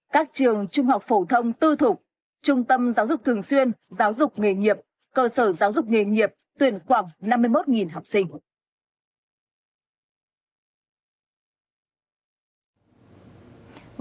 các trường trung học phổ thông tư thục trung tâm giáo dục thường xuyên giáo dục nghề nghiệp cơ sở giáo dục nghề nghiệp tuyển khoảng năm mươi một học sinh